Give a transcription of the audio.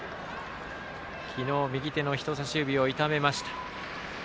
昨日、右手の人さし指を痛めました。